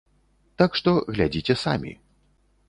Так што, глядзіце самі.